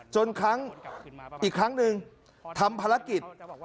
ครั้งอีกครั้งหนึ่งทำภารกิจ